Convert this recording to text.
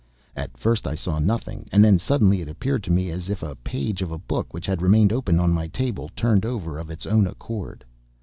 At first I saw nothing, and then suddenly it appeared to me as if a page of a book which had remained open on my table, turned over of its own accord.